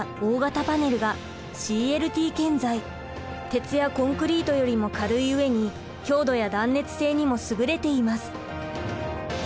鉄やコンクリートよりも軽い上に強度や断熱性にもすぐれています。